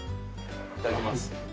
いただきます。